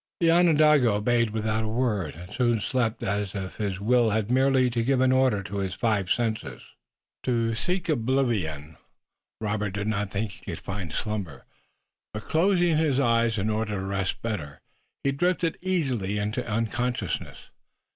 The Onondaga obeyed without a word, and soon slept as if his will had merely to give an order to his five senses to seek oblivion. Robert did not think he could find slumber, but closing his eyes in order to rest better, he drifted easily into unconsciousness.